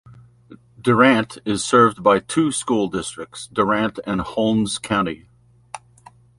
Durant is served by two school districts - Durant and Holmes County.